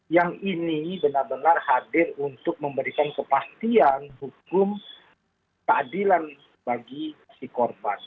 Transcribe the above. yang ini benar benar hadir untuk memberikan kepastian hukum keadilan bagi si korban